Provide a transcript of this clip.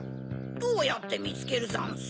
どうやってみつけるざんす？